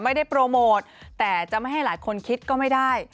ไม่ได้โปรโมทแต่จะไม่ให้หลายคนคิดก็ไม่ได้